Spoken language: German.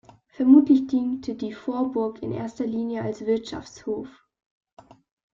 Vermutlich diente die Vorburg in erster Linie als Wirtschaftshof.